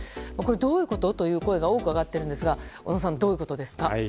どういうことという声が多く上がっているんですが小野さん、どういうことですか？